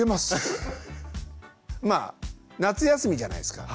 まあ夏休みじゃないですか。